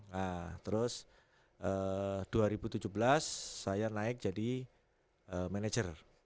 nah terus dua ribu tujuh belas saya naik jadi manajer